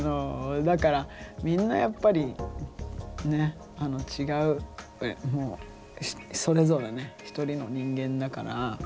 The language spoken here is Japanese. だからみんなやっぱりね違うもうそれぞれね一人の人間だから。